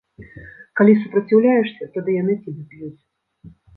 Калі супраціўляешся, тады яны цябе б'юць.